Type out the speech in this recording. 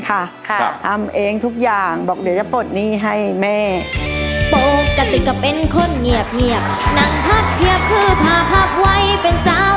ทำเองทุกอย่างบอกเดี๋ยวจะปลดหนี้ให้แม่